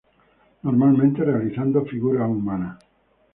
Normalmente realizando figuras humanas.